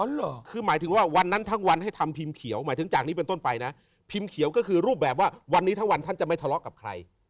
เหรอคือหมายถึงว่าวันนั้นทั้งวันให้ทำพิมพ์เขียวหมายถึงจากนี้เป็นต้นไปนะพิมพ์เขียวก็คือรูปแบบว่าวันนี้ทั้งวันท่านจะไม่ทะเลาะกับใคร